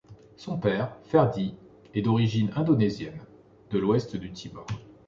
Son père, Ferdi, est d'origine indonésienne, de l'ouest du Timor.